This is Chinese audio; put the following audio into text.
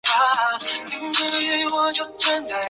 上图表示了算法中找最小值的一个步骤。